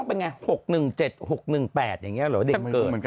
มันจะต้องเป็นไง๖๑๗๖๑๘อย่างนี้หรอเด็กเกิด